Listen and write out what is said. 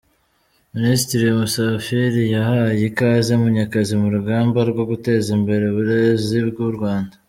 Minisitiri Musafiri yahaye ikaze Munyakazi mu rugamba rwo guteza imbere uburezi bw’u Rwanda.